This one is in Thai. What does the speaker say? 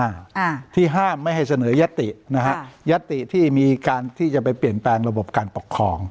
อ่าที่ห้ามไม่ให้เสนอยตินะฮะยัตติที่มีการที่จะไปเปลี่ยนแปลงระบบการปกครอง